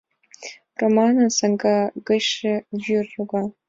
Романын саҥга гычше вӱр йога.